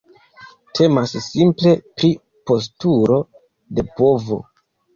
Temas simple pri postulo de povo.